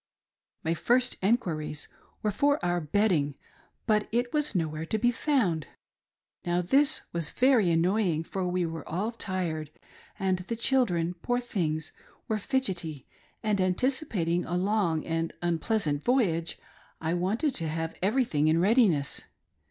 My first enquiries were for our bedding ; but it was no where to be found. Now this was very annoying, for we were all tired and the children, poor things, were fidgetty ; and anticipating a long and unpleasantt voyage I wanted to have everything in readiness.